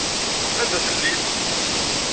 Anda tellim?